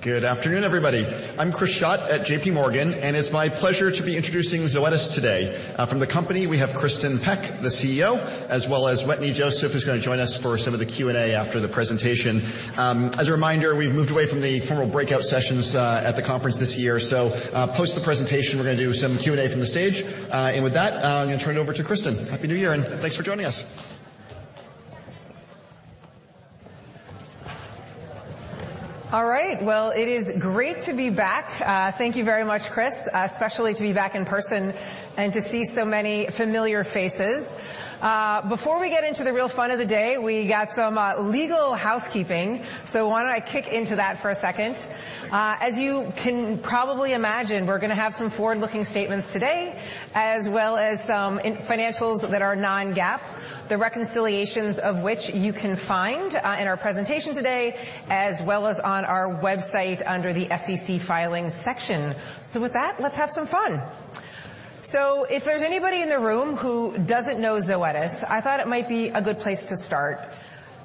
Good afternoon, everybody. I'm Chris Schott at JPMorgan, it's my pleasure to be introducing Zoetis today. From the company, we have Kristin Peck, the CEO, as well as Wetteny Joseph, who's gonna join us for some of the Q&A after the presentation. As a reminder, we've moved away from the formal breakout sessions at the conference this year. Post the presentation, we're gonna do some Q&A from the stage. With that, I'm gonna turn it over to Kristin. Happy New Year, and thanks for joining us. All right. Well, it is great to be back. Thank you very much, Chris, especially to be back in person and to see so many familiar faces. Before we get into the real fun of the day, we got some legal housekeeping, why don't I kick into that for a second? As you can probably imagine, we're gonna have some forward-looking statements today, as well as some financials that are non-GAAP, the reconciliations of which you can find in our presentation today, as well as on our website under the SEC Filings section. With that, let's have some fun. If there's anybody in the room who doesn't know Zoetis, I thought it might be a good place to start.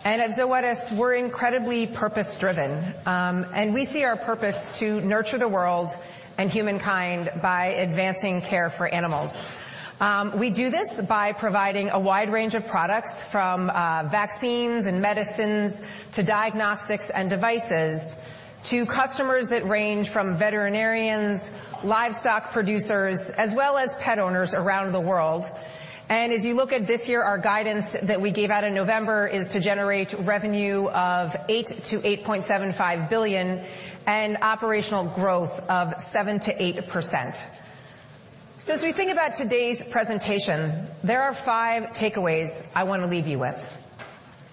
At Zoetis, we're incredibly purpose-driven. We see our purpose to nurture the world and humankind by advancing care for animals. We do this by providing a wide range of products from vaccines and medicines, to diagnostics and devices, to customers that range from veterinarians, livestock producers, as well as pet owners around the world. As you look at this year, our guidance that we gave out in November is to generate revenue of $8 billion-$8.75 billion and operational growth of 7%-8%. As we think about today's presentation, there are five takeaways I want to leave you with.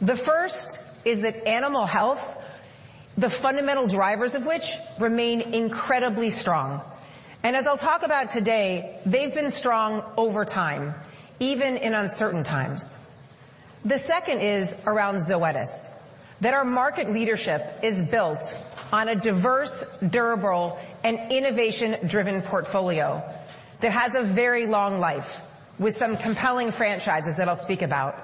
The first is that animal health, the fundamental drivers of which remain incredibly strong. As I'll talk about today, they've been strong over time, even in uncertain times. The second is around Zoetis, that our market leadership is built on a diverse, durable, and innovation-driven portfolio that has a very long life with some compelling franchises that I'll speak about.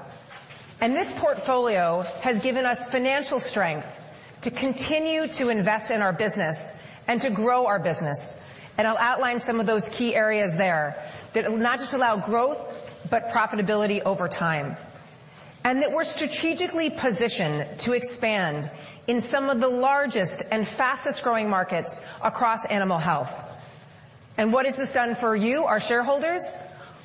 This portfolio has given us financial strength to continue to invest in our business and to grow our business. I'll outline some of those key areas there that will not just allow growth, but profitability over time. That we're strategically positioned to expand in some of the largest and fastest-growing markets across animal health. What has this done for you, our shareholders?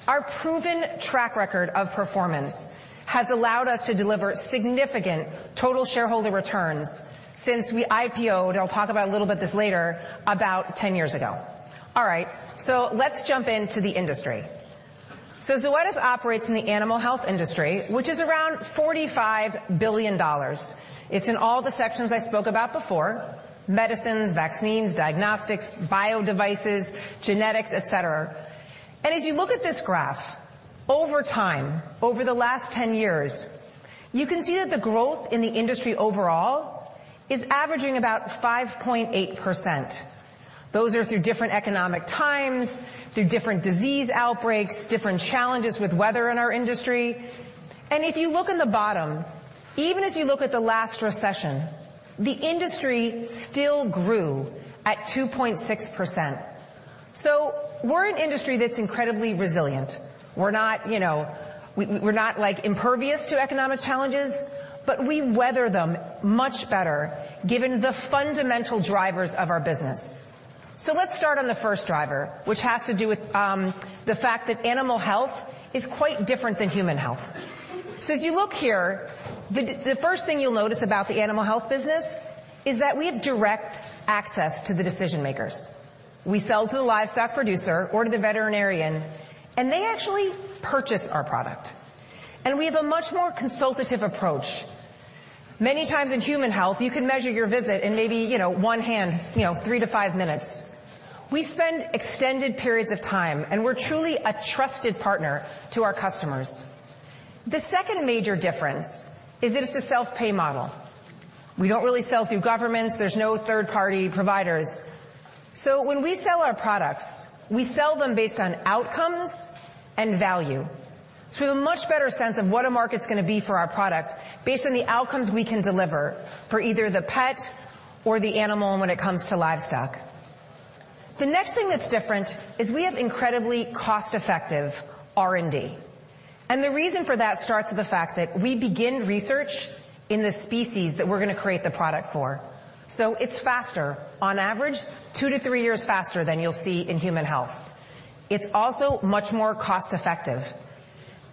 Our proven track record of performance has allowed us to deliver significant total shareholder returns since we IPO'd, I'll talk about a little bit this later, about 10 years ago. All right. Let's jump into the industry. Zoetis operates in the animal health industry, which is around $45 billion. It's in all the sections I spoke about before: medicines, vaccines, diagnostics, bio devices, genetics, et cetera. As you look at this graph over time, over the last 10 years, you can see that the growth in the industry overall is averaging about 5.8%. Those are through different economic times, through different disease outbreaks, different challenges with weather in our industry. If you look in the bottom, even as you look at the last recession, the industry still grew at 2.6%. We're an industry that's incredibly resilient. We're not, you know, we're not, like, impervious to economic challenges, but we weather them much better given the fundamental drivers of our business. Let's start on the first driver, which has to do with the fact that animal health is quite different than human health. As you look here, the first thing you'll notice about the animal health business is that we have direct access to the decision-makers. We sell to the livestock producer or to the veterinarian, and they actually purchase our product. We have a much more consultative approach. Many times in human health, you can measure your visit in maybe, you know, one hand, you know, three to five minutes. We spend extended periods of time, and we're truly a trusted partner to our customers. The second major difference is that it's a self-pay model. We don't really sell through governments. There's no third-party providers. When we sell our products, we sell them based on outcomes and value. We have a much better sense of what a market's gonna be for our product based on the outcomes we can deliver for either the pet or the animal when it comes to livestock. The next thing that's different is we have incredibly cost-effective R&D. The reason for that starts with the fact that we begin research in the species that we're gonna create the product for. It's faster, on average, two to three years faster than you'll see in human health. It's also much more cost-effective.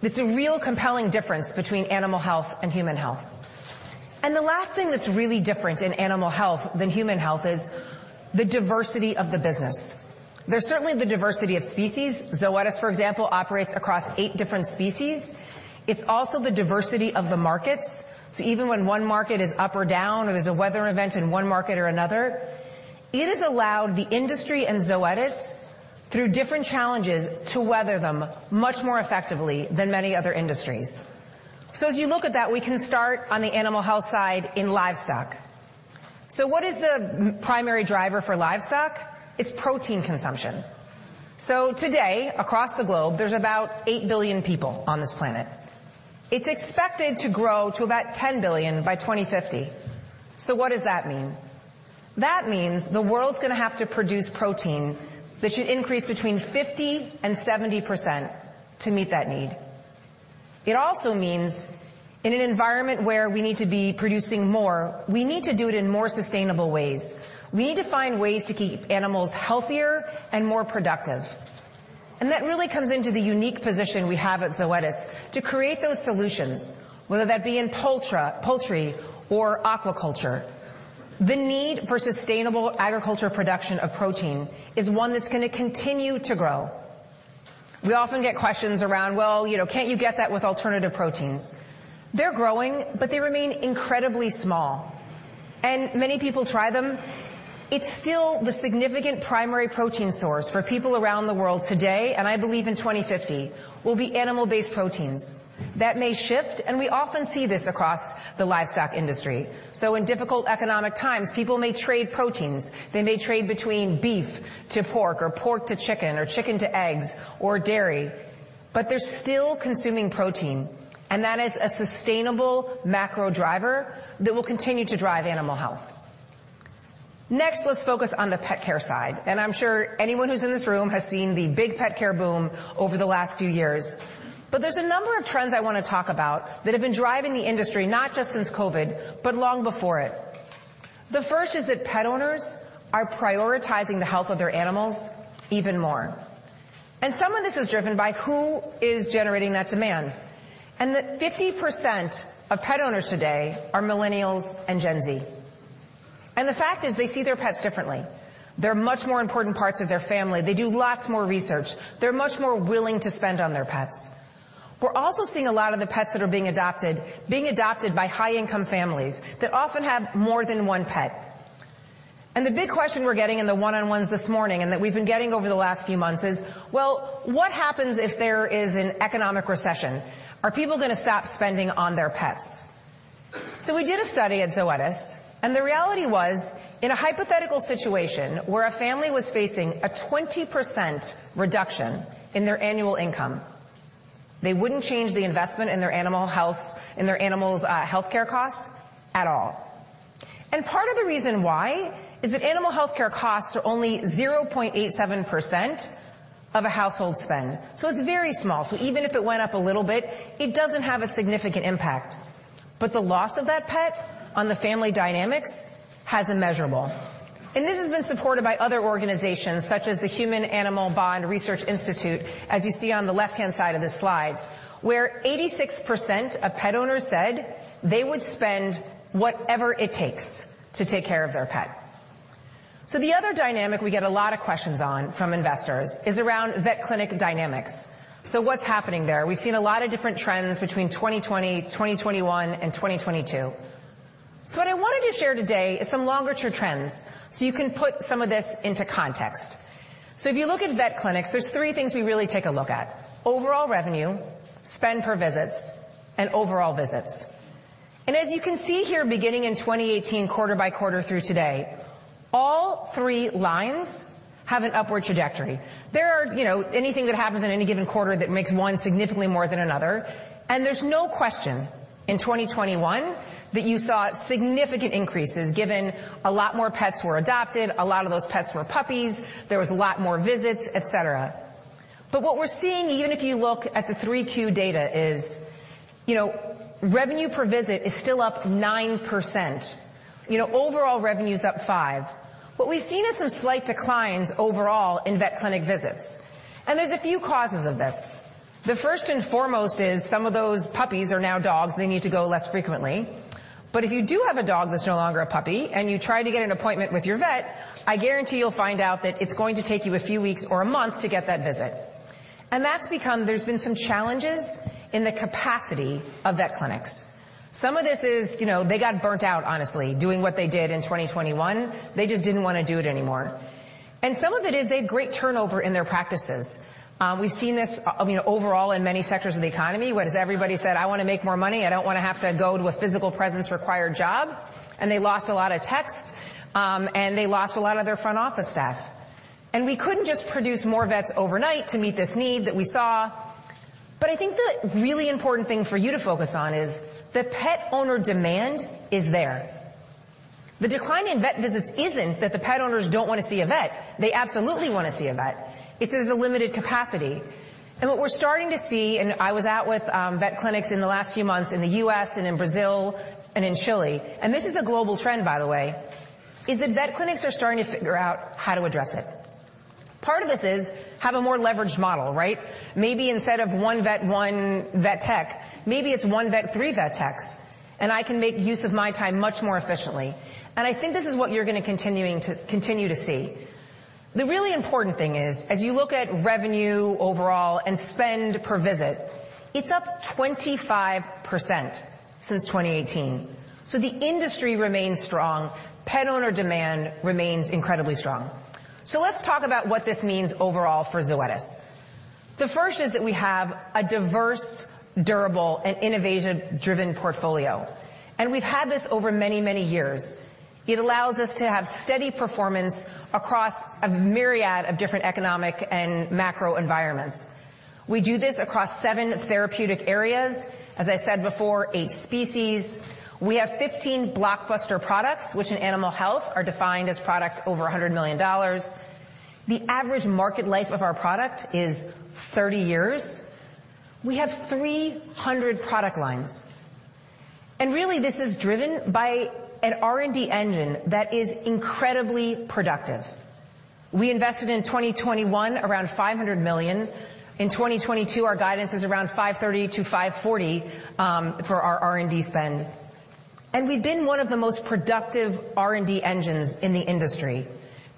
It's a real compelling difference between animal health and human health. The last thing that's really different in animal health than human health is the diversity of the business. There's certainly the diversity of species. Zoetis, for example, operates across eight different species. It's also the diversity of the markets. Even when one market is up or down or there's a weather event in one market or another, it has allowed the industry and Zoetis through different challenges to weather them much more effectively than many other industries. As you look at that, we can start on the animal health side in livestock. What is the primary driver for livestock? It's protein consumption. Today, across the globe, there's about 8 billion people on this planet. It's expected to grow to about 10 billion by 2050. What does that mean? That means the world's gonna have to produce protein that should increase between 50% and 70% to meet that need. It also means in an environment where we need to be producing more, we need to do it in more sustainable ways. We need to find ways to keep animals healthier and more productive. That really comes into the unique position we have at Zoetis to create those solutions, whether that be in poultry or aquaculture. The need for sustainable agriculture production of protein is one that's gonna continue to grow. We often get questions around, "Well, you know, can't you get that with alternative proteins?" They're growing, but they remain incredibly small, and many people try them. It's still the significant primary protein source for people around the world today, and I believe in 2050 will be animal-based proteins. That may shift, and we often see this across the livestock industry. In difficult economic times, people may trade proteins. They may trade between beef to pork or pork to chicken or chicken to eggs or dairy, but they're still consuming protein, and that is a sustainable macro driver that will continue to drive animal health. Let's focus on the pet care side. I'm sure anyone who's in this room has seen the big pet care boom over the last few years. There's a number of trends I wanna talk about that have been driving the industry, not just since COVID, but long before it. The first is that pet owners are prioritizing the health of their animals even more. Some of this is driven by who is generating that demand. That 50% of pet owners today are Millennials and Gen Z. The fact is they see their pets differently. They're much more important parts of their family. They do lots more research. They're much more willing to spend on their pets. We're also seeing a lot of the pets that are being adopted, being adopted by high-income families that often have more than one pet. The big question we're getting in the one-on-ones this morning and that we've been getting over the last few months is, well, what happens if there is an economic recession? Are people gonna stop spending on their pets? We did a study at Zoetis, and the reality was, in a hypothetical situation where a family was facing a 20% reduction in their annual income, they wouldn't change the investment in their animal's healthcare costs at all. Part of the reason why is that animal healthcare costs are only 0.87% of a household spend. It's very small. Even if it went up a little bit, it doesn't have a significant impact. The loss of that pet on the family dynamics has immeasurable. This has been supported by other organizations such as the Human Animal Bond Research Institute, as you see on the left-hand side of this slide, where 86% of pet owners said they would spend whatever it takes to take care of their pet. The other dynamic we get a lot of questions on from investors is around vet clinic dynamics. What's happening there? We've seen a lot of different trends between 2020, 2021, and 2022. What I wanted to share today is some longer-term trends, so you can put some of this into context. If you look at vet clinics, there's three things we really take a look at: overall revenue, spend per visits, and overall visits. As you can see here, beginning in 2018, quarter by quarter through today, all three lines have an upward trajectory. There are, you know, anything that happens in any given quarter that makes one significantly more than another. There's no question in 2021 that you saw significant increases given a lot more pets were adopted, a lot of those pets were puppies, there was a lot more visits, et cetera. What we're seeing, even if you look at the 3Q data, is, you know, revenue per visit is still up 9%. You know, overall revenue's up 5%. What we've seen is some slight declines overall in vet clinic visits, and there's a few causes of this. The first and foremost is some of those puppies are now dogs. They need to go less frequently. If you do have a dog that's no longer a puppy and you try to get an appointment with your vet, I guarantee you'll find out that it's going to take you a few weeks or a month to get that visit. There's been some challenges in the capacity of vet clinics. Some of this is, you know, they got burnt out, honestly, doing what they did in 2021. They just didn't wanna do it anymore. Some of it is they had great turnover in their practices. We've seen this, you know, overall in many sectors of the economy, whereas everybody said, "I wanna make more money. I don't wanna have to go to a physical presence required job." They lost a lot of techs, and they lost a lot of their front office staff. We couldn't just produce more vets overnight to meet this need that we saw. I think the really important thing for you to focus on is the pet owner demand is there. The decline in vet visits isn't that the pet owners don't wanna see a vet. They absolutely wanna see a vet. It's there's a limited capacity. What we're starting to see, I was out with vet clinics in the last few months in the US and in Brazil and in Chile, and this is a global trend, by the way, is that vet clinics are starting to figure out how to address it. Part of this is have a more leveraged model, right? Maybe instead of one vet, one vet tech, maybe it's one vet, three vet techs, and I can make use of my time much more efficiently. I think this is what you're gonna continue to see. The really important thing is, as you look at revenue overall and spend per visit, it's up 25% since 2018. The industry remains strong. Pet owner demand remains incredibly strong. Let's talk about what this means overall for Zoetis. The first is that we have a diverse, durable, and innovation-driven portfolio, and we've had this over many, many years. It allows us to have steady performance across a myriad of different economic and macro environments. We do this across seven therapeutic areas, as I said before, eight species. We have 15 blockbuster products, which in animal health are defined as products over $100 million. The average market life of our product is 30 years. We have 300 product lines. Really, this is driven by an R&D engine that is incredibly productive. We invested in 2021 around $500 million. In 2022, our guidance is around $530 million-$540 million for our R&D spend. We've been one of the most productive R&D engines in the industry,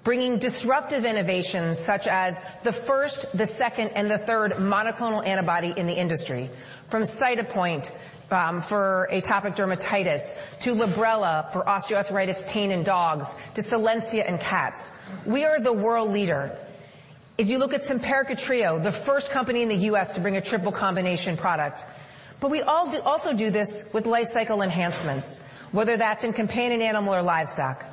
bringing disruptive innovations such as the first, the second, and the third monoclonal antibody in the industry. From Cytopoint for atopic dermatitis to Librela for osteoarthritis pain in dogs to Solensia in cats. We are the world leader. As you look at Simparica Trio, the first company in the U.S. to bring a triple combination product. We also do this with lifecycle enhancements, whether that's in companion animal or livestock.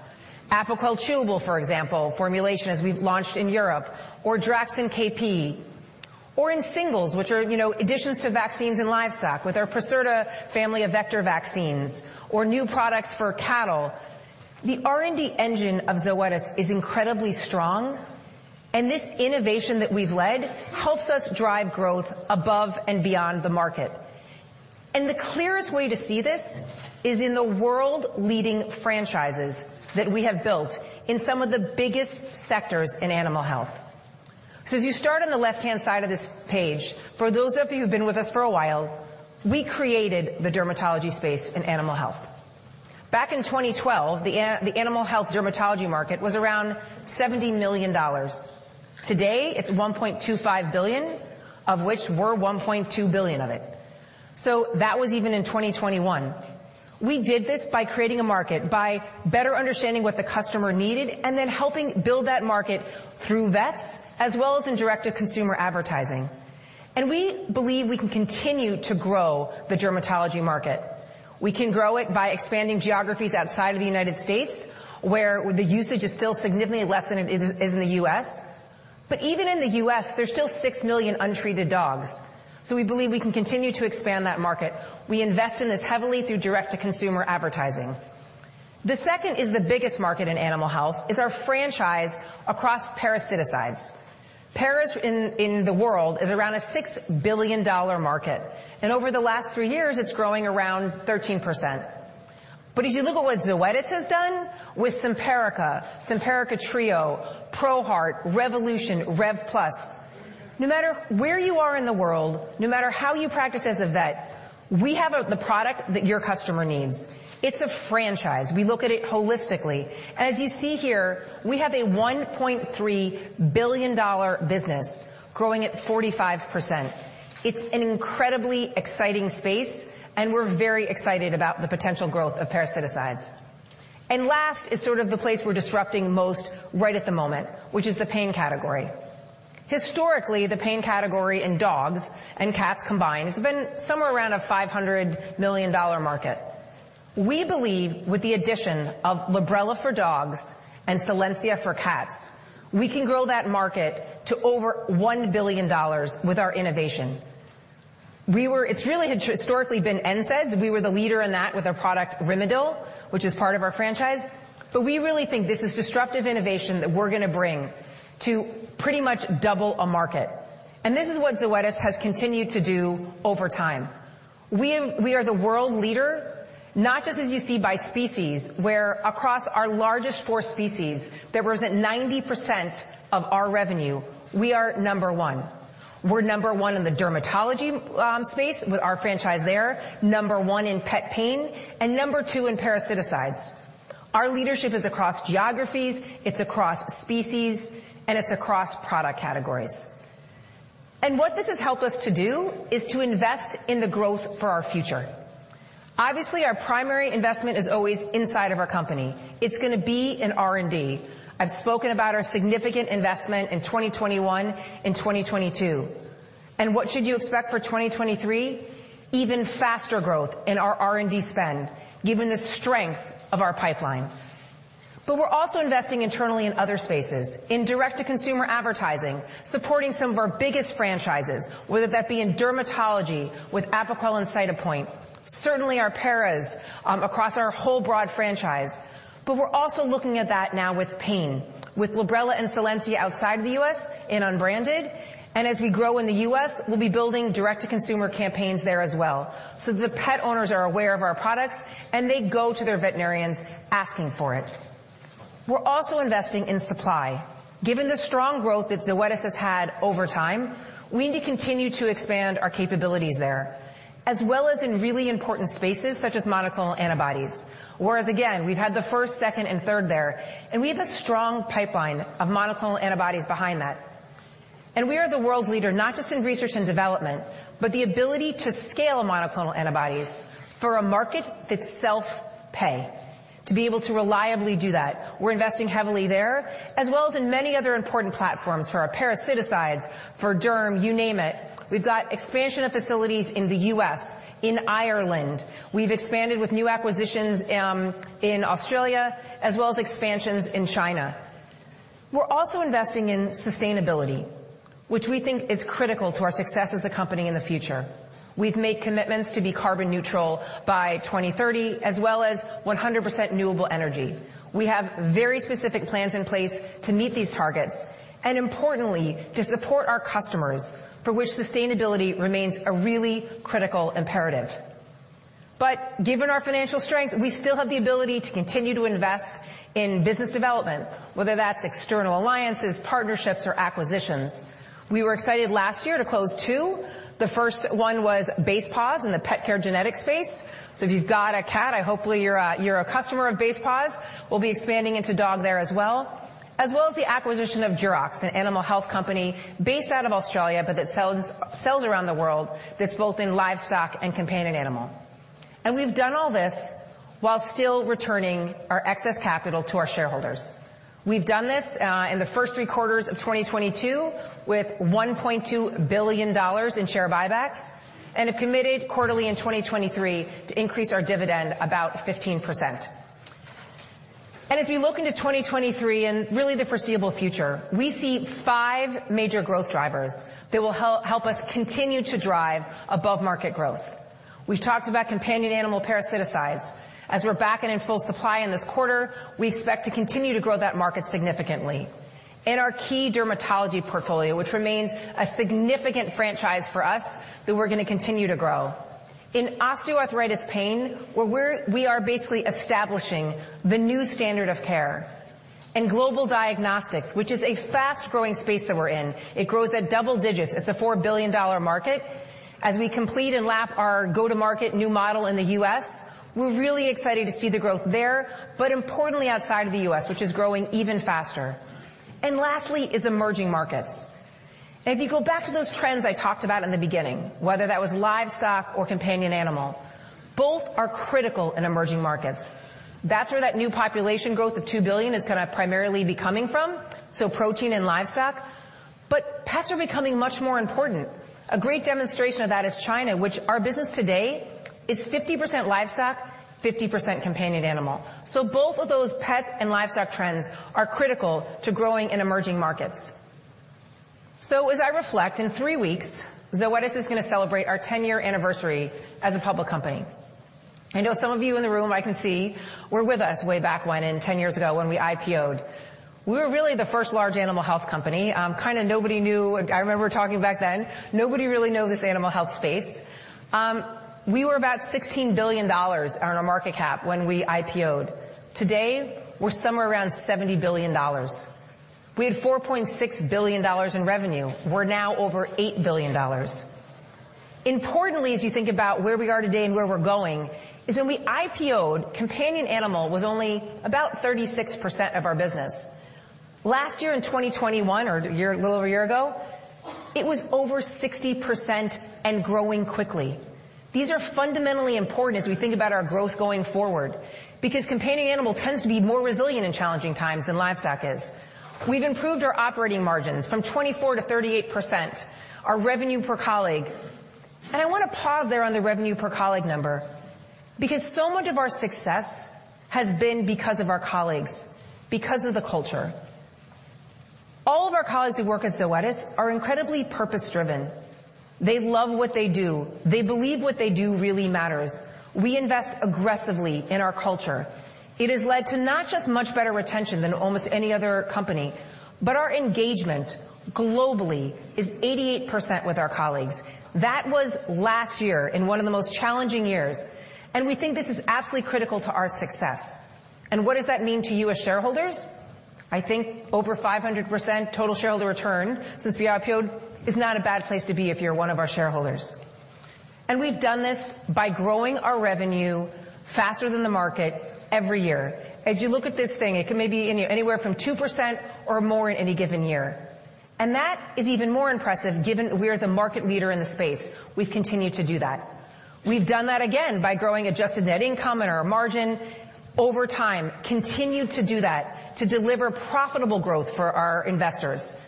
Apoquel Chewable, for example, formulation as we've launched in Europe, or Draxxin KP, or in singles, which are, you know, additions to vaccines and livestock with our Procerta family of vector vaccines or new products for cattle. The R&D engine of Zoetis is incredibly strong, and this innovation that we've led helps us drive growth above and beyond the market. The clearest way to see this is in the world-leading franchises that we have built in some of the biggest sectors in animal health. As you start on the left-hand side of this page, for those of you who've been with us for a while, we created the dermatology space in animal health. Back in 2012, the animal health dermatology market was around $70 million. Today, it's $1.25 billion, of which we're $1.2 billion of it. That was even in 2021. We did this by creating a market, by better understanding what the customer needed, and then helping build that market through vets as well as in direct-to-consumer advertising. We believe we can continue to grow the dermatology market. We can grow it by expanding geographies outside of the United States, where the usage is still significantly less than it is in the U.S. Even in the U.S., there's still 6 million untreated dogs. We believe we can continue to expand that market. We invest in this heavily through direct-to-consumer advertising. The second is the biggest market in animal health, is our franchise across parasiticides. Paras in the world is around a $6 billion market. Over the last 3 years, it's growing around 13%. As you look at what Zoetis has done with Simparica Trio, ProHeart, Revolution, Rev Plus, no matter where you are in the world, no matter how you practice as a vet, we have the product that your customer needs. It's a franchise. We look at it holistically. As you see here, we have a $1.3 billion business growing at 45%. It's an incredibly exciting space, and we're very excited about the potential growth of parasiticides. Last is sort of the place we're disrupting most right at the moment, which is the pain category. Historically, the pain category in dogs and cats combined has been somewhere around a $500 million market. We believe with the addition of Librela for dogs and Solensia for cats, we can grow that market to over $1 billion with our innovation. It's really historically been NSAIDs. We were the leader in that with our product Rimadyl, which is part of our franchise. We really think this is disruptive innovation that we're gonna bring to pretty much double a market. This is what Zoetis has continued to do over time. We are the world leader, not just as you see by species, where across our largest four species, that was at 90% of our revenue, we are number one. We're number one in the dermatology space with our franchise there, number one in pet pain, and number two in parasiticides. Our leadership is across geographies, it's across species, and it's across product categories. What this has helped us to do is to invest in the growth for our future. Obviously, our primary investment is always inside of our company. It's gonna be in R&D. I've spoken about our significant investment in 2021 and 2022. What should you expect for 2023? Even faster growth in our R&D spend, given the strength of our pipeline. We're also investing internally in other spaces, in direct-to-consumer advertising, supporting some of our biggest franchises, whether that be in dermatology with Apoquel and Cytopoint, certainly our Paras across our whole broad franchise. We're also looking at that now with pain, with Librela and Solensia outside the U.S. in unbranded. As we grow in the U.S., we'll be building direct-to-consumer campaigns there as well, so the pet owners are aware of our products, and they go to their veterinarians asking for it. We're also investing in supply. Given the strong growth that Zoetis has had over time, we need to continue to expand our capabilities there, as well as in really important spaces such as monoclonal antibodies. Again, we've had the first, second, and third there, and we have a strong pipeline of monoclonal antibodies behind that. We are the world's leader, not just in research and development, but the ability to scale monoclonal antibodies for a market that's self-pay. To be able to reliably do that, we're investing heavily there, as well as in many other important platforms for our parasiticides, for derm, you name it. We've got expansion of facilities in the U.S., in Ireland. We've expanded with new acquisitions, in Australia, as well as expansions in China. We're also investing in sustainability, which we think is critical to our success as a company in the future. We've made commitments to be carbon neutral by 2030, as well as 100% renewable energy. We have very specific plans in place to meet these targets, and importantly, to support our customers for which sustainability remains a really critical imperative. Given our financial strength, we still have the ability to continue to invest in business development, whether that's external alliances, partnerships, or acquisitions. We were excited last year to close two. The first one was Basepaws in the pet care genetic space. If you've got a cat, I hopefully you're a customer of Basepaws. We'll be expanding into dog there as well, as well as the acquisition of Jurox, an animal health company based out of Australia, but that sells around the world that's both in livestock and companion animal. We've done all this while still returning our excess capital to our shareholders. We've done this in the first three quarters of 2022 with $1.2 billion in share buybacks, and have committed quarterly in 2023 to increase our dividend about 15%. As we look into 2023 and really the foreseeable future, we see 5 major growth drivers that will help us continue to drive above market growth. We've talked about companion animal parasiticides. As we're back and in full supply in this quarter, we expect to continue to grow that market significantly. In our key dermatology portfolio, which remains a significant franchise for us, that we're gonna continue to grow. In osteoarthritis pain, where we are basically establishing the new standard of care. In global diagnostics, which is a fast-growing space that we're in, it grows at double digits. It's a $4 billion market. As we complete and lap our go-to-market new model in the U.S., we're really excited to see the growth there, but importantly outside of the U.S., which is growing even faster. Lastly is emerging markets. If you go back to those trends I talked about in the beginning, whether that was livestock or companion animal, both are critical in emerging markets. That's where that new population growth of 2 billion is gonna primarily be coming from, so protein and livestock, but pets are becoming much more important. A great demonstration of that is China, which our business today is 50% livestock, 50% companion animal. Both of those pet and livestock trends are critical to growing in emerging markets. As I reflect, in three weeks, Zoetis is gonna celebrate our 10-year anniversary as a public company. I know some of you in the room I can see were with us way back when in 10 years ago when we IPO'd. We were really the first large animal health company. I remember talking back then, nobody really knew this animal health space. We were about $16 billion on our market cap when we IPO'd. Today, we're somewhere around $70 billion. We had $4.6 billion in revenue. We're now over $8 billion. Importantly, as you think about where we are today and where we're going, is when we IPO'd, companion animal was only about 36% of our business. Last year in 2021, a little over a year ago, it was over 60% and growing quickly. These are fundamentally important as we think about our growth going forward because companion animal tends to be more resilient in challenging times than livestock is. We've improved our operating margins from 24 to 38%, our revenue per colleague. I wanna pause there on the revenue per colleague number because so much of our success has been because of our colleagues, because of the culture. All of our colleagues who work at Zoetis are incredibly purpose-driven. They love what they do. They believe what they do really matters. We invest aggressively in our culture. It has led to not just much better retention than almost any other company, but our engagement globally is 88% with our colleagues. That was last year in one of the most challenging years, and we think this is absolutely critical to our success. What does that mean to you as shareholders? I think over 500% total shareholder return since we IPO'd is not a bad place to be if you're one of our shareholders. We've done this by growing our revenue faster than the market every year. As you look at this thing, it can maybe anywhere from 2% or more in any given year, and that is even more impressive given we are the market leader in the space. We've continued to do that. We've done that again by growing adjusted net income and our margin over time, continued to do that to deliver profitable growth for our investors.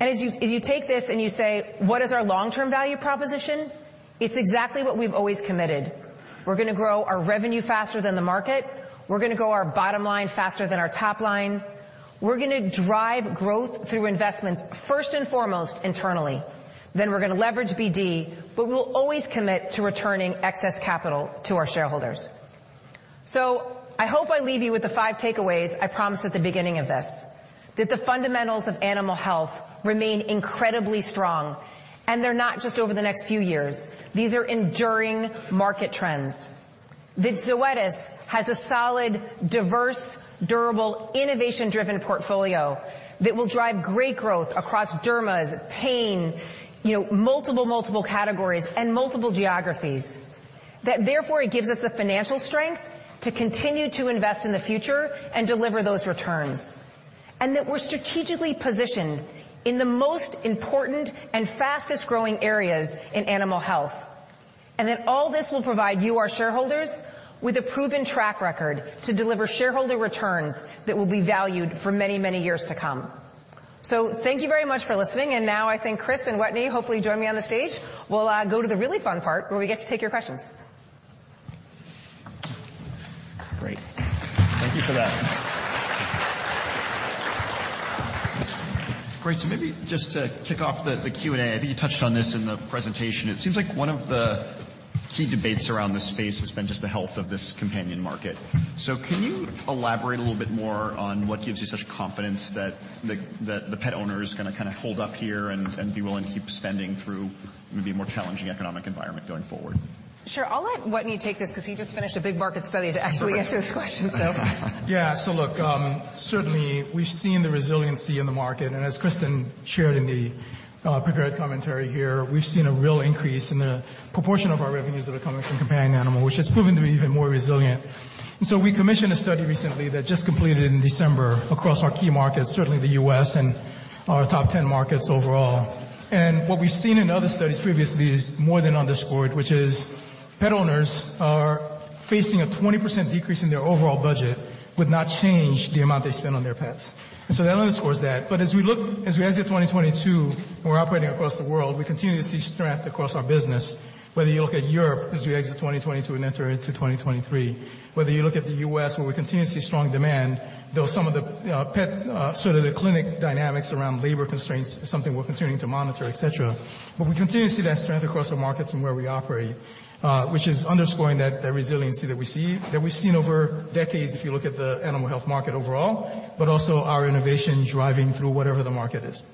As you take this and you say, "What is our long-term value proposition?" It's exactly what we've always committed. We're gonna grow our revenue faster than the market. We're gonna grow our bottom line faster than our top line. We're gonna drive growth through investments first and foremost internally. We're gonna leverage BD, but we'll always commit to returning excess capital to our shareholders. I hope I leave you with the five takeaways I promised at the beginning of this, that the fundamentals of animal health remain incredibly strong, and they're not just over the next few years. These are enduring market trends. Zoetis has a solid, diverse, durable, innovation-driven portfolio that will drive great growth across dermas, pain, you know, multiple categories and multiple geographies. It gives us the financial strength to continue to invest in the future and deliver those returns. We're strategically positioned in the most important and fastest-growing areas in animal health. That all this will provide you, our shareholders, with a proven track record to deliver shareholder returns that will be valued for many, many years to come. Thank you very much for listening. Now I think Chris and Wetteny, hopefully join me on the stage. We'll go to the really fun part where we get to take your questions. Great. Thank you for that. Great. Maybe just to kick off the Q&A, I think you touched on this in the presentation. It seems like one of the key debates around this space has been just the health of this companion market. Can you elaborate a little bit more on what gives you such confidence that the, that the pet owner is gonna kinda hold up here and be willing to keep spending through maybe a more challenging economic environment going forward? Sure. I'll let Wetteny take this 'cause he just finished a big market study to actually answer this question. Yeah. Look, certainly we've seen the resiliency in the market. As Kristin shared in the prepared commentary here, we've seen a real increase in the proportion of our revenues that are coming from companion animal, which has proven to be even more resilient. We commissioned a study recently that just completed in December across our key markets, certainly the U.S. and our top 10 markets overall, and what we've seen in other studies previously is more than underscored, which is pet owners are facing a 20% decrease in their overall budget would not change the amount they spend on their pets. That underscores that. As we exit 2022, and we're operating across the world, we continue to see strength across our business, whether you look at Europe as we exit 2022 and enter into 2023, whether you look at the U.S., where we continue to see strong demand, though some of the pet, sort of the clinic dynamics around labor constraints is something we're continuing to monitor, et cetera. We continue to see that strength across our markets and where we operate, which is underscoring that resiliency that we see, that we've seen over decades if you look at the animal health market overall, but also our innovation driving through whatever the market is.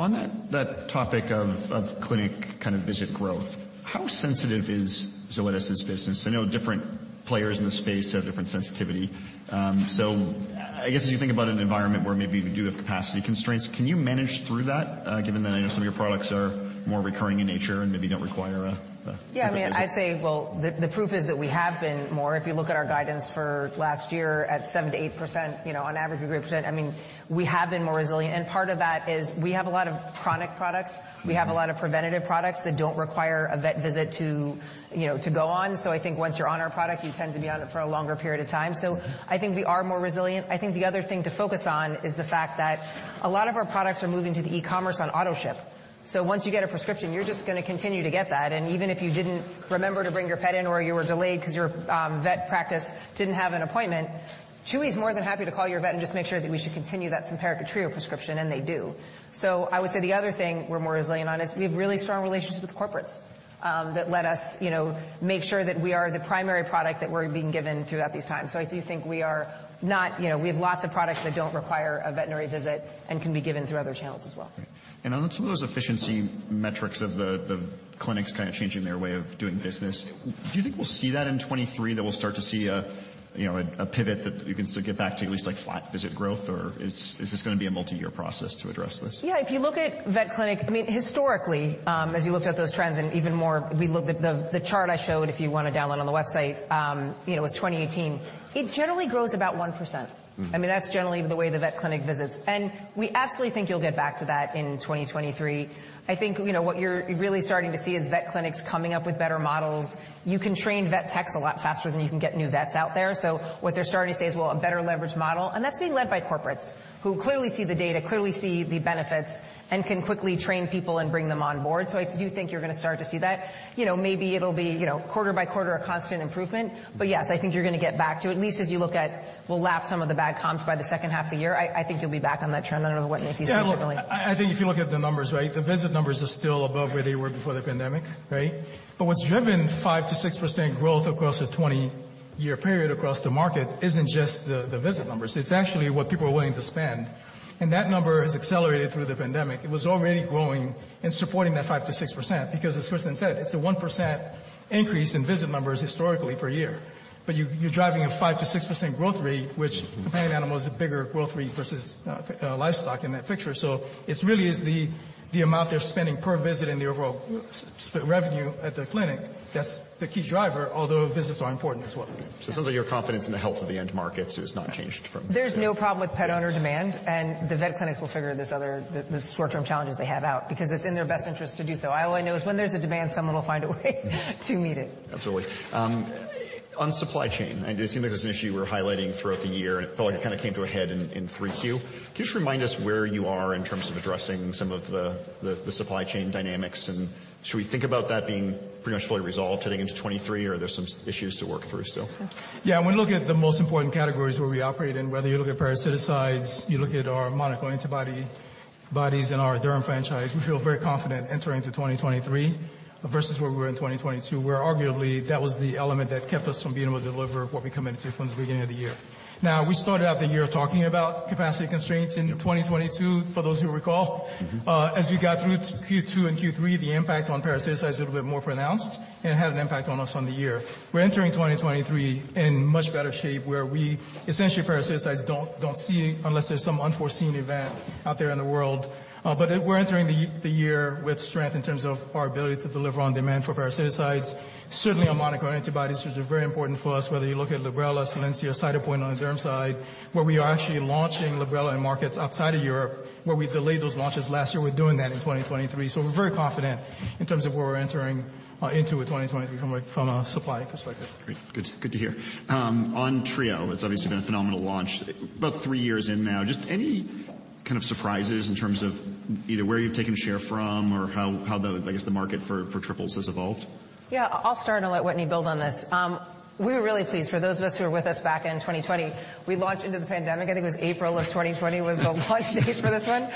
On that topic of clinic kind of visit growth, how sensitive is Zoetis' business? I know different players in the space have different sensitivity. I guess as you think about an environment where maybe we do have capacity constraints, can you manage through that, given that I know some of your products are more recurring in nature and maybe don't require a Yeah, I mean, I'd say, well, the proof is that we have been more. If you look at our guidance for last year at 7%-8%, you know, on average of 8%, I mean, we have been more resilient. Part of that is we have a lot of chronic products. We have a lot of preventative products that don't require a vet visit to, you know, to go on. I think once you're on our product, you tend to be on it for a longer period of time. I think we are more resilient. I think the other thing to focus on is the fact that a lot of our products are moving to the e-commerce on autoship. Once you get a prescription, you're just gonna continue to get that, and even if you didn't remember to bring your pet in or you were delayed 'cause your vet practice didn't have an appointment, Chewy's more than happy to call your vet and just make sure that we should continue that Simparica Trio prescription, and they do. I would say the other thing we're more resilient on is we have really strong relationships with corporates that let us, you know, make sure that we are the primary product that we're being given throughout these times. I do think, you know, we have lots of products that don't require a veterinary visit and can be given through other channels as well. On some of those efficiency metrics of the clinics kind of changing their way of doing business, do you think we'll see that in 2023, that we'll start to see a, you know, a pivot that you can still get back to at least, like, flat visit growth, or is this going to be a multi-year process to address this? Yeah. If you look at vet clinic, I mean, historically, as you looked at those trends and even more, we looked at the chart I showed, if you wanna download on the website, you know, it was 2018, it generally grows about 1%. I mean, that's generally the way the vet clinic visits. We absolutely think you'll get back to that in 2023. I think, you know, what you're really starting to see is vet clinics coming up with better models. You can train vet techs a lot faster than you can get new vets out there. What they're starting to say is, well, a better leveraged model, and that's being led by corporates who clearly see the data, clearly see the benefits, and can quickly train people and bring them on board. I do think you're gonna start to see that. You know, maybe it'll be, you know, quarter by quarter a constant improvement. Yes, I think you're gonna get back to, at least as you look at we'll lap some of the bad comps by the second half of the year. I think you'll be back on that trend. I don't know, Wetteny, if you see differently. Look, I think if you look at the numbers, right, the visit numbers are still above where they were before the pandemic, right? What's driven 5%-6% growth across a 20-year period across the market isn't just the visit numbers. It's actually what people are willing to spend, and that number has accelerated through the pandemic. It was already growing and supporting that 5%-6% because as Kristin said, it's a 1% increase in visit numbers historically per year. You're driving a 5%-6% growth rate, which companion animal is a bigger growth rate versus livestock in that picture. It really is the amount they're spending per visit and the overall revenue at the clinic that's the key driver, although visits are important as well. It sounds like your confidence in the health of the end markets is not changed. There's no problem with pet owner demand, and the vet clinics will figure this other, the short-term challenges they have out because it's in their best interest to do so. All I know is when there's a demand, someone will find a way to meet it. Absolutely. On supply chain, it seems like it's an issue we're highlighting throughout the year, and it felt like it kinda came to a head in 3Q. Can you just remind us where you are in terms of addressing some of the supply chain dynamics, and should we think about that being pretty much fully resolved heading into 2023, or are there some issues to work through still? Yeah. When you look at the most important categories where we operate in, whether you look at parasiticides, you look at our monoclonal antibodies in our derm franchise, we feel very confident entering into 2023 versus where we were in 2022, where arguably that was the element that kept us from being able to deliver what we committed to from the beginning of the year. We started out the year talking about capacity constraints in 2022, for those who recall. As we got through Q2 and Q3, the impact on parasiticides is a little bit more pronounced. It had an impact on us on the year. We're entering 2023 in much better shape. Essentially, parasiticides don't see unless there's some unforeseen event out there in the world. We're entering the year with strength in terms of our ability to deliver on demand for parasiticides. Certainly, our monoclonal antibodies, which are very important for us, whether you look at Librela, Solensia, Cytopoint on the derm side, where we are actually launching Librela in markets outside of Europe, where we delayed those launches last year. We're doing that in 2023. We're very confident in terms of where we're entering into with 2023 from a supply perspective. Great. Good, good to hear. On Trio, it's obviously been a phenomenal launch. About three years in now, just any kind of surprises in terms of either where you're taking share from or how the, I guess, the market for triples has evolved? Yeah. I'll start and let Wetteny build on this. We were really pleased. For those of us who were with us back in 2020, we launched into the pandemic, I think it was April of 2020 was the launch date for this one.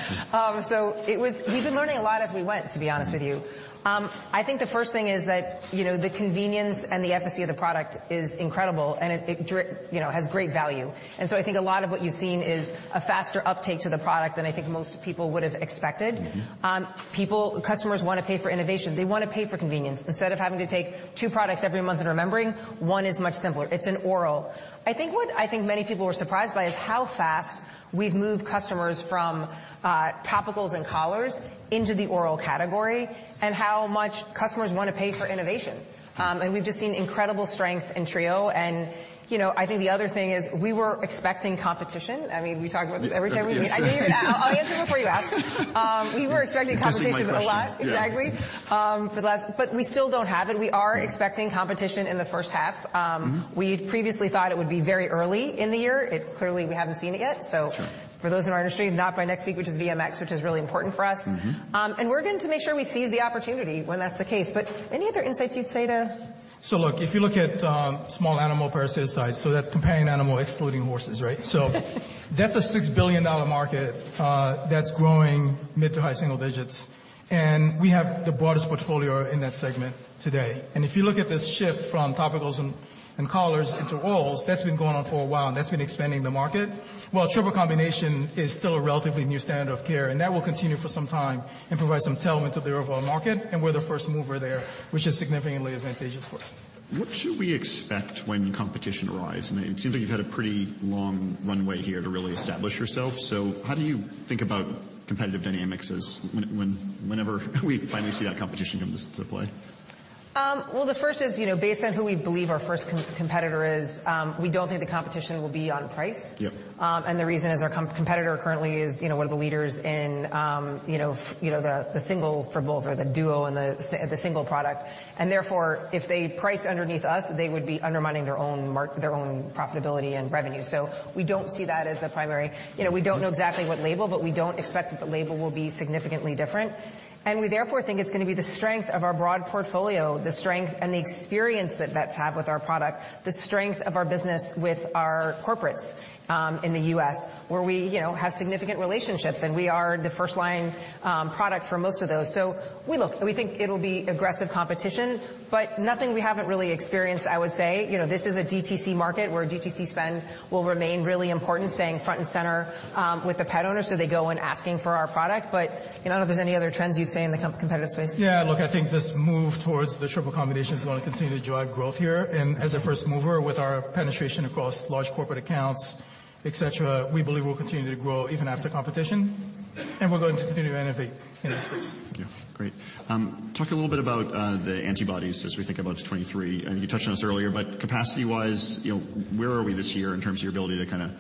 We've been learning a lot as we went, to be honest with you. I think the first thing is that, you know, the convenience and the efficacy of the product is incredible, and it, you know, has great value. I think a lot of what you've seen is a faster uptake to the product than I think most people would have expected. Customers wanna pay for innovation. They wanna pay for convenience. Instead of having to take 2 products every month and remembering, one is much simpler. It's an oral. I think what many people were surprised by is how fast we've moved customers from topicals and collars into the oral category and how much customers wanna pay for innovation. We've just seen incredible strength in Trio. You know, I think the other thing is we were expecting competition. I mean, we talk about this every time we meet. Yes. I mean, I'll answer before you ask. We were expecting competition. This is my question. Yeah a lot. Exactly. for the last... We still don't have it. We are expecting competition in the first half. We previously thought it would be very early in the year. Clearly, we haven't seen it yet. Sure... for those in our industry, if not by next week, which is VMX, which is really important for us. Mm-hmm. We're going to make sure we seize the opportunity when that's the case. Any other insights you'd say to. Look, if you look at small animal parasiticides, so that's companion animal excluding horses, right? That's a $6 billion market that's growing mid- to high-single digit %, and we have the broadest portfolio in that segment today. If you look at this shift from topicals and collars into orals, that's been going on for a while, and that's been expanding the market. While triple combination is still a relatively new standard of care. That will continue for some time and provide some tailwind to the overall market. We're the first mover there, which is significantly advantageous for us. What should we expect when competition arrives? I mean, it seems like you've had a pretty long runway here to really establish yourself, so how do you think about competitive dynamics as whenever we finally see that competition come into play? Well, the first is, you know, based on who we believe our first competitor is, we don't think the competition will be on price. Yep. The reason is our competitor currently is, you know, one of the leaders in, you know, the single FRABLE or the duo and the single product, and therefore, if they price underneath us, they would be undermining their own profitability and revenue. We don't see that as the primary. You know, we don't know exactly what label, but we don't expect that the label will be significantly different, and we therefore think it's gonna be the strength of our broad portfolio, the strength and the experience that vets have with our product, the strength of our business with our corporates, in the U.S. where we, you know, have significant relationships, and we are the first line product for most of those. We look. We think it'll be aggressive competition, but nothing we haven't really experienced, I would say. You know, this is a DTC market where DTC spend will remain really important, staying front and center, with the pet owners, so they go in asking for our product. You know, I don't know if there's any other trends you'd say in the competitive space. Yeah. Look, I think this move towards the triple combination is gonna continue to drive growth here. As a first mover with our penetration across large corporate accounts, et cetera, we believe we'll continue to grow even after competition, we're going to continue to innovate in this space. Yeah. Great. talk a little bit about the antibodies as we think about 2023. You touched on this earlier, but capacity-wise, you know, where are we this year in terms of your ability to kinda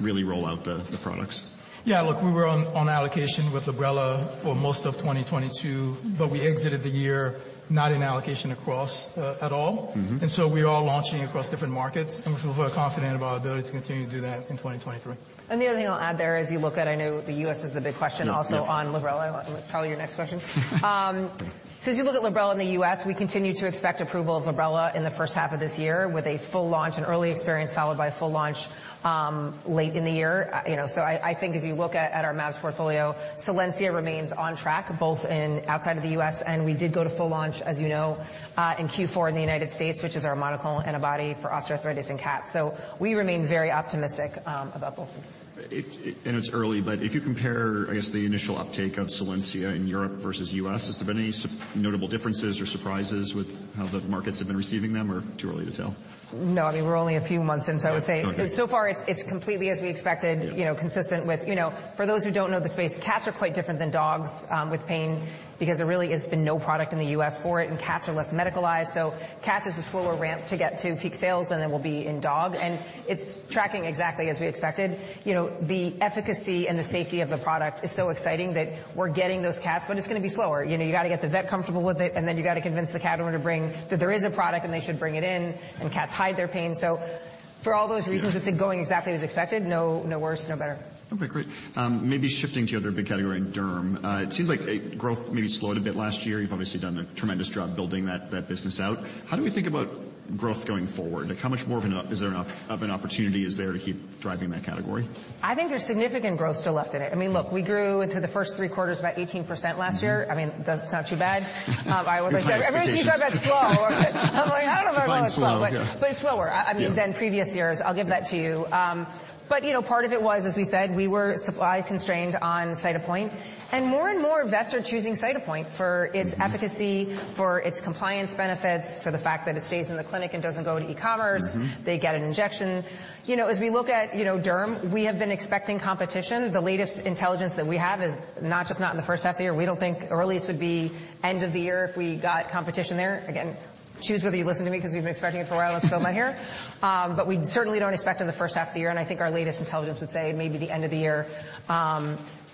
really roll out the products? Yeah. Look, we were on allocation with Librela for most of 2022. We exited the year not in allocation across at all. We are launching across different markets, and we feel very confident about our ability to continue to do that in 2023. The other thing I'll add there as you look at, I know the U.S. is the big question. Yeah, yeah. Also on Librela, probably your next question. As you look at Librela in the U.S., we continue to expect approval of Librela in the first half of this year with a full launch and early experience followed by a full launch, late in the year. you know, I think as you look at our mAbs portfolio, Solensia remains on track both in outside of the U.S., and we did go to full launch, as you know, in Q4 in the United States, which is our monoclonal antibody for osteoarthritis in cats. We remain very optimistic, about both. It's early, but if you compare, I guess, the initial uptake of Solensia in Europe versus US, has there been any notable differences or surprises with how the markets have been receiving them or too early to tell? No. I mean, we're only a few months in, so I would say so far it's completely as we expected. Yeah You know, consistent with. You know, for those who don't know the space, cats are quite different than dogs with pain because there really has been no product in the U.S. for it and cats are less medicalized. Cats is a slower ramp to get to peak sales than it will be in dog, and it's tracking exactly as we expected. You know, the efficacy and the safety of the product is so exciting that we're getting those cats, but it's gonna be slower. You know, you gotta get the vet comfortable with it, and then you gotta convince the cat owner that there is a product and they should bring it in, and cats hide their pain. For all those reasons, it's going exactly as expected. No, no worse, no better. Okay. Great. Maybe shifting to your other big category in derm. It seems like growth maybe slowed a bit last year. You've obviously done a tremendous job building that business out. How do we think about growth going forward? Like, how much more an opportunity is there to keep driving that category? I think there's significant growth still left in it. I mean, look, we grew into the first three quarters about 18% last year. I mean, that's not too bad. I always like... You're playing it safe. Every time you say that's slow, I'm like, "I don't know if I call it slow. Define slow. Yeah. It's slower. Yeah... than previous years. I'll give that to you. you know, part of it was, as we said, we were supply constrained on Cytopoint, and more and more vets are choosing Cytopoint for its efficacy, for its compliance benefits, for the fact that it stays in the clinic and doesn't go to e-commerce. Mm-hmm. They get an injection. You know, as we look at, you know, derm, we have been expecting competition. The latest intelligence that we have is not just not in the first half of the year, we don't think, or at least would be end of the year if we got competition there. Again, choose whether you listen to me because we've been expecting it for a while and it's still not here. We certainly don't expect in the first half of the year, and I think our latest intelligence would say maybe the end of the year.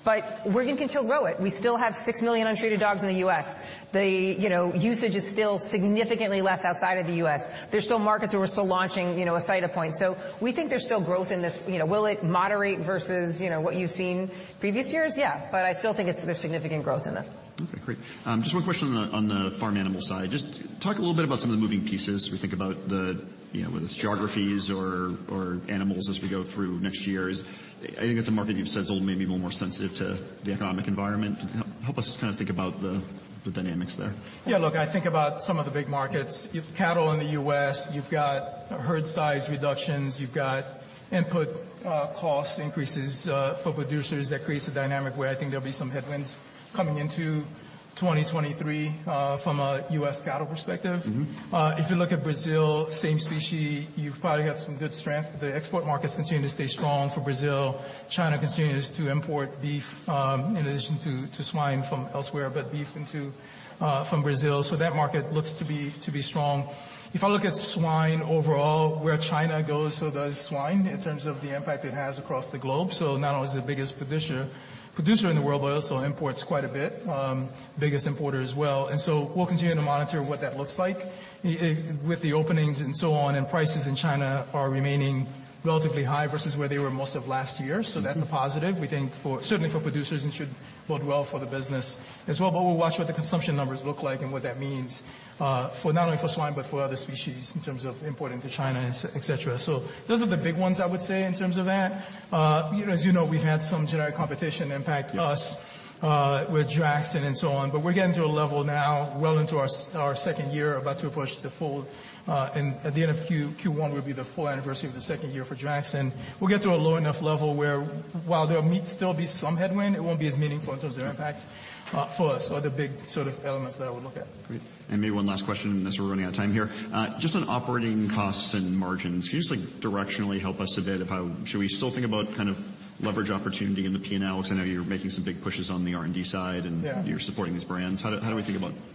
We're gonna continue to grow it. We still have 6 million untreated dogs in the US. The you know, usage is still significantly less outside of the US. There's still markets where we're still launching, you know, Cytopoint. So we think there's still growth in this. You know, will it moderate versus, you know, what you've seen previous years? Yeah. I still think there's significant growth in this. Okay. Great. Just one question on the, on the farm animal side. Just talk a little bit about some of the moving pieces. We think about the, you know, whether it's geographies or animals as we go through next years. I think it's a market you've said is maybe a little more sensitive to the economic environment. Help us kind of think about the dynamics there. Yeah. Look, I think about some of the big markets. You've cattle in the U.S., you've got herd size reductions, you've got input, cost increases for producers. That creates a dynamic where I think there'll be some headwinds coming into 2023 from a U.S. cattle perspective. Mm-hmm. If you look at Brazil, same species, you've probably got some good strength. The export market's continuing to stay strong for Brazil. China continues to import beef, in addition to swine from elsewhere, but beef into from Brazil. That market looks to be strong. If I look at swine overall, where China goes, so does swine in terms of the impact it has across the globe. Not only is it the biggest producer in the world, but it also imports quite a bit, biggest importer as well. We'll continue to monitor what that looks like. With the openings and so on, prices in China are remaining relatively high versus where they were most of last year, that's a positive. We think certainly for producers, it should bode well for the business as well. We'll watch what the consumption numbers look like and what that means for not only for swine but for other species in terms of importing to China, et cetera. Those are the big ones I would say in terms of that. You know, as you know, we've had some generic competition impact us with Draxxin and so on, but we're getting to a level now well into our second year, about to approach the full, and at the end of Q1 will be the full anniversary of the second year for Draxxin. We'll get to a low enough level where while there'll still be some headwind, it won't be as meaningful in terms of impact for us or the big sort of elements that I would look at. Great. Maybe one last question, as we're running out of time here. Just on operating costs and margins, can you just like directionally help us a bit of how... Should we still think about kind of leverage opportunity in the P&L? 'Cause I know you're making some big pushes on the R&D side. Yeah. You're supporting these brands. How do we think about balancing that?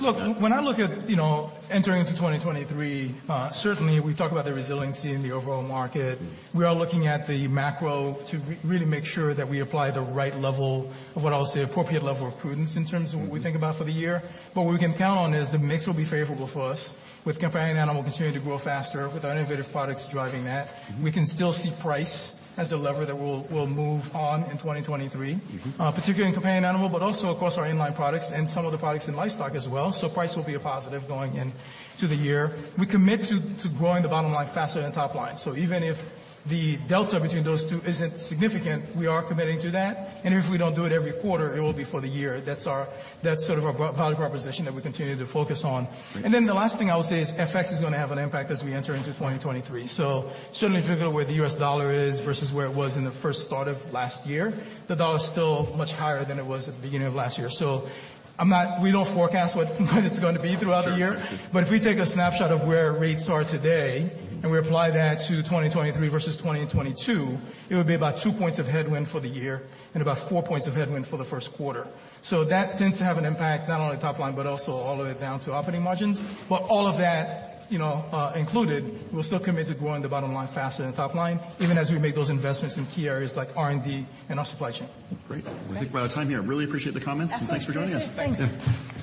Look, when I look at, you know, entering into 2023, certainly we've talked about the resiliency in the overall market. Mm-hmm. We are looking at the macro to really make sure that we apply the right level of what I'll say appropriate level of prudence in terms of what we think about for the year. What we can count on is the mix will be favorable for us with companion animal continuing to grow faster with our innovative products driving that. We can still see price as a lever that we'll move on in 2023. Mm-hmm. Particularly in companion animal, but also of course our inline products and some of the products in livestock as well. Price will be a positive going into the year. We commit to growing the bottom line faster than top line. Even if the delta between those two isn't significant, we are committing to that, and if we don't do it every quarter, it will be for the year. That's sort of our product proposition that we continue to focus on. Great. The last thing I would say is FX is gonna have an impact as we enter into 2023. Certainly if you look at where the US dollar is versus where it was in the first start of last year, the dollar is still much higher than it was at the beginning of last year. I'm not. We don't forecast what it's gonna be throughout the year. Sure. If we take a snapshot of where rates are today, and we apply that to 2023 versus 2022, it would be about 2 points of headwind for the year and about 4 points of headwind for the first quarter. That tends to have an impact not only top line, but also all the way down to operating margins. All of that, you know, included, we're still committed to growing the bottom line faster than the top line, even as we make those investments in key areas like R&D and our supply chain. Great. We've run out of time here. Really appreciate the comments. Absolutely. Thanks for joining us. Thanks. Thanks.